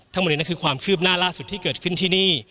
ทั้งหมดนี้คือความคืบหน้าล่าสุดที่เกิดขึ้นที่นี่